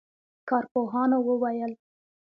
کارپوهانو وویل